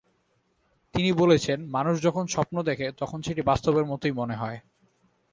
তিনি বলেছেন, মানুষ যখন স্বপ্ন দেখে, তখন সেটি বাস্তবের মতোই মনে হয়।